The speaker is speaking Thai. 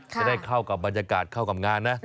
จะได้เข้ากับบรรยากาศเข้ากับงานนะ